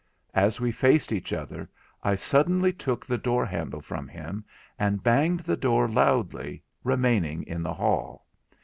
As we faced each other I suddenly took the door handle from him, and banged the door loudly, remaining in the hall.